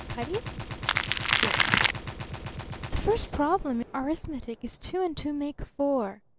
Cutty?" "Yes." "The first problem in arithmetic is two and two make four.